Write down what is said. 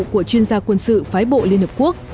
của chuyên gia quân sự phái bộ liên hợp quốc